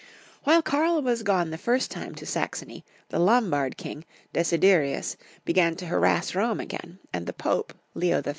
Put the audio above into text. While Karl was gone the first time to Saxony, the Lombard king, Desiderius, began to harass Rome again ; and the Pope, Leo III.